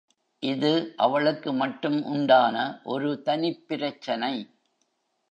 இது அவளுக்கு மட்டும் உண்டான ஒரு தனிப்பிரச்சனை.